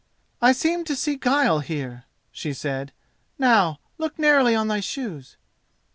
"I seem to see guile here," she said. "Now look narrowly on thy shoes."